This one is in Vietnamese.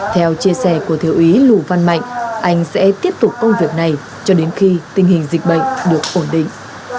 theo chia sẻ của thiếu úy lù văn mạnh anh sẽ tiếp tục công việc này cho đến khi tình hình dịch bệnh được ổn định